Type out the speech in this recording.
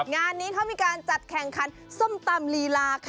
งานนี้เขามีการจัดแข่งขันส้มตำลีลาค่ะ